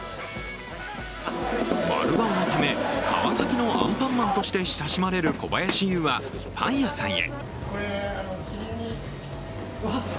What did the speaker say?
丸顔のため川崎のアンパンマンとして親しまれる小林悠は、パン屋さんへ。